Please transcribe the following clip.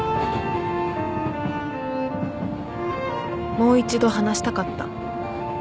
もう一度話したかった